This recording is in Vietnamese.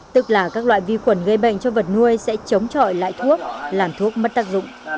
tức là các loại vi khuẩn gây bệnh cho vật nuôi sẽ chống trọi lại thuốc làm thuốc mất tác dụng